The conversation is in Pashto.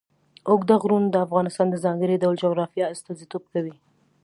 اوږده غرونه د افغانستان د ځانګړي ډول جغرافیه استازیتوب کوي.